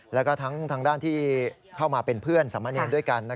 แล้วก็ทางด้านที่เข้ามาเป็นเพื่อนสามเณรด้วยกัน